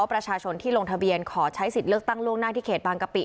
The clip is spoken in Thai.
ประชาชนที่ลงทะเบียนขอใช้สิทธิ์เลือกตั้งล่วงหน้าที่เขตบางกะปิ